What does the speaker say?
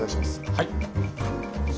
はい。